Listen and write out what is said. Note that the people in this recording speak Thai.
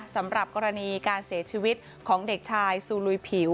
สำหรับกรณีการเสียชีวิตของเด็กชายซูลุยผิว